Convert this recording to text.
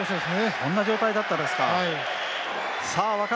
そんな状態だったですか。